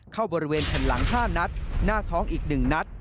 เข้าบริเวณแผ่นหลัง๕นัดหน้าท้องอีก๑นัด